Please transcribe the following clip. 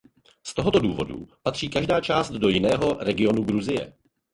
Z toho důvodu patří každá část do jiného regionu Gruzie.